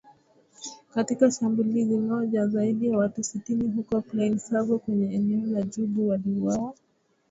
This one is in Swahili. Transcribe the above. Katika shambulizi moja, zaidi ya watu sitini huko Plaine Savo kwenye eneo la Djubu waliuawa